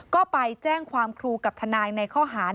ก็ไปแจ้งความครูกับทนายในข้อหาร